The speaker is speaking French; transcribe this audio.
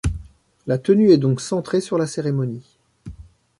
La tenue est donc centrée sur la cérémonie.